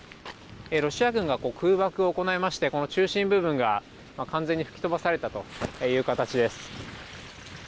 ロシア軍が空爆を行いまして、この中心部分が完全に吹き飛ばされたという形です。